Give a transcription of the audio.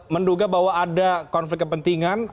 menduga bahwa ada konflik kepentingan